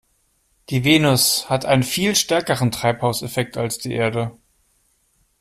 Die Venus hat einen viel stärkeren Treibhauseffekt als die Erde.